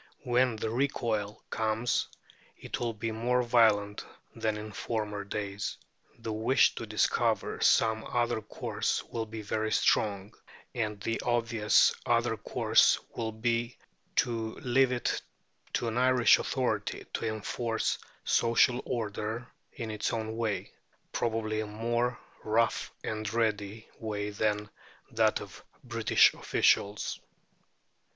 When the recoil comes, it will be more violent than in former days. The wish to discover some other course will be very strong, and the obvious other course will be to leave it to an Irish authority to enforce social order in its own way probably a more rough and ready way than that of British officials.